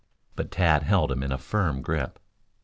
But Tad held him in a firm grip.